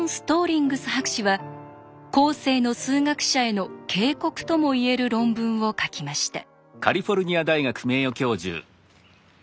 リングス博士は後世の数学者への警告とも言える論文を書きました。